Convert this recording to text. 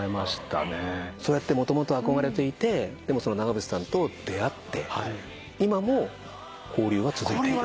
そうやってもともと憧れていて長渕さんと出会って今も交流は続いている？